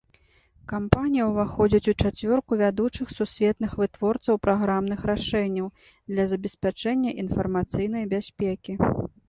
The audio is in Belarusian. Кампанія ўваходзіць у чацвёрку вядучых сусветных вытворцаў праграмных рашэнняў для забеспячэння інфармацыйнай бяспекі.